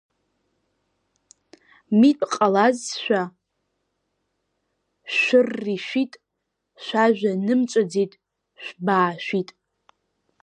Митә ҟалазшәа, шәырри-шәит, шәажәа нымҵәаӡеит, шәбаашәит!